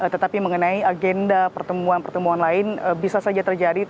tetapi mengenai agenda pertemuan pertemuan lain bisa saja terjadi